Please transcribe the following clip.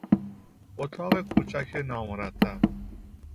اتاق کوچک نامرتب